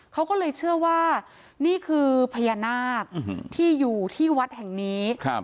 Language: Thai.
เขาก็เลยเชื่อว่านี่คือพญานาคที่อยู่ที่วัดแห่งนี้